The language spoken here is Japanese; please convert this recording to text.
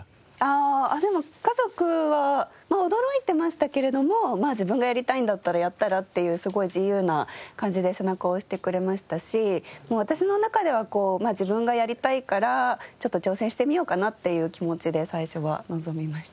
ああ家族は驚いてましたけれども「自分がやりたいんだったらやったら？」っていうすごい自由な感じで背中を押してくれましたしもう私の中では自分がやりたいからちょっと挑戦してみようかなっていう気持ちで最初は臨みました。